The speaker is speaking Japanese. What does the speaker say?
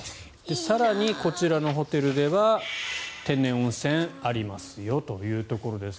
更に、こちらのホテルでは天然温泉がありますよということです。